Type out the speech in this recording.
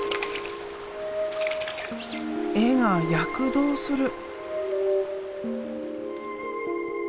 絵が躍動する。